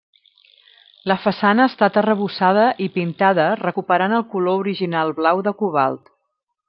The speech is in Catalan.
La façana ha estat arrebossada i pintada recuperant el color original blau de cobalt.